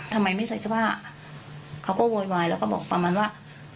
ทำไมไม่ใส่เสื้อผ้าเขาก็โวยวายแล้วก็บอกประมาณว่า